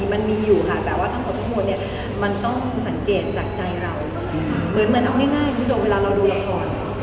มันมีอยู่ค่ะแต่ว่าทั้งหมดทั้งหมดเนี่ยมันต้องสังเกตจากใจเราเหมือนเอาง่ายคุณผู้ชมเวลาเราดูละคร